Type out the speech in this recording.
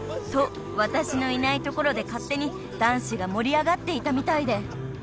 ［と私のいないところで勝手に男子が盛り上がっていたみたいで］